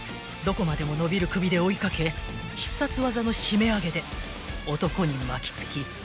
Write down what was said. ［どこまでも伸びる首で追い掛け必殺技の締め上げで男に巻きつき